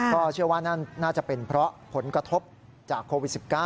ก็เชื่อว่านั่นน่าจะเป็นเพราะผลกระทบจากโควิด๑๙